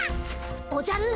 おじゃる。